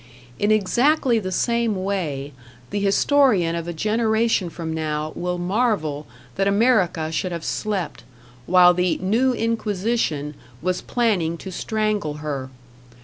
In exactly the same way, the historian of a generation from now will marvel that America should have slept, while the New Inquisition was planning to strangle her.